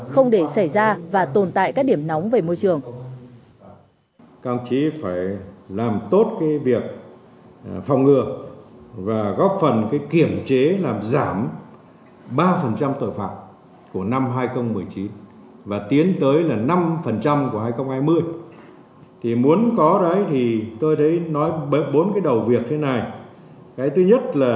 không để xảy ra và tồn tại các điểm nóng về môi trường